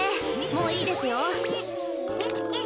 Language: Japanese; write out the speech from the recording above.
もういいですよ。